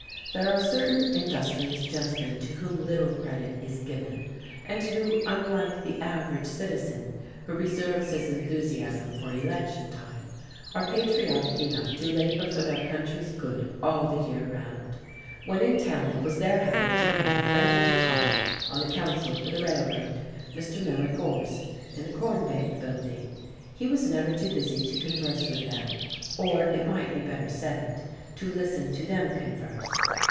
There are certain industrious gentlemen to whom little credit is given, and who, unlike the average citizen who reserves his enthusiasm for election time, are patriotic enough to labour for their country's good all the year round. When in town, it was their habit to pay a friendly call on the Counsel for the Railroad, Mr. Miller Gorse, in the Corn Bank Building. He was never too busy to converse with them; or, it might better be said, to listen to them converse.